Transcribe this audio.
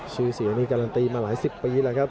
ชื่อเสียงนี่การันตีมาหลายสิบปีแล้วครับ